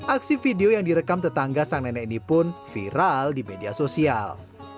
aksi video yang direkam tetangga sang nenek ini pun viral di media sosial